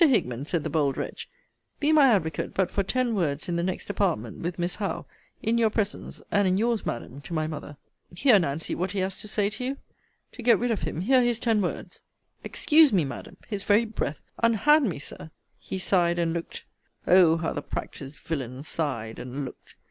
Hickman, said the bold wretch, be my advocate but for ten words in the next apartment with Miss Howe, in your presence; and in your's, Madam, to my mother. Hear, Nancy, what he has to say to you. To get rid of him, hear his ten words. Excuse me, Madam! his very breath Unhand me, Sir! He sighed and looked O how the practised villain sighed and looked!